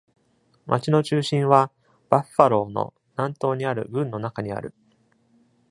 町の中心は、バッファローの南東にある郡の中にある。